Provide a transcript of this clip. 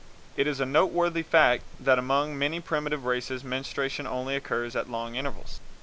It is a noteworthy fact that among many primitive races menstruation only occurs at long intervals.